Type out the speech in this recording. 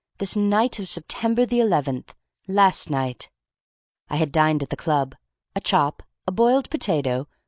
This night of September the eleventh. Last night! "I had dined at the club. A chop. A boiled potato.